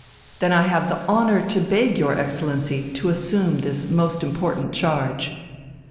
Then I have the honour to beg your Excellency to assume this most important charge...."